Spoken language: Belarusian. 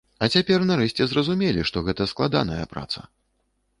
А цяпер нарэшце зразумелі, што гэта складаная праца.